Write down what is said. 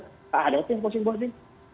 tidak ada sih yang posting buat dia